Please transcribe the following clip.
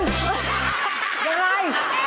อะไร